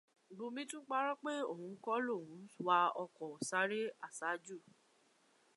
Bùnmi tún parọ́ pé òun kọ́ lòun wa ọkọ̀ sáré àsájù.